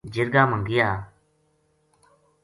جِرگا ما گیا۔